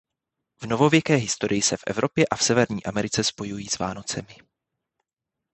V novověké historii se v Evropě a v Severní Americe spojují s Vánocemi.